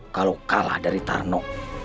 kalau kalah dari tarno